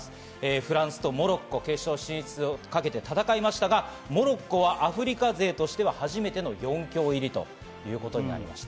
フランスとモロッコ決勝進出をかけて戦いましたが、モロッコはアフリカ勢としては初めての４強入りということになりました。